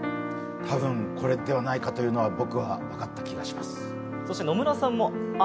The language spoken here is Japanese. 多分これではないかというのは、僕は分かった気がします。